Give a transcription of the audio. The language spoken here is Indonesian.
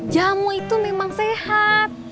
jamu itu memang sehat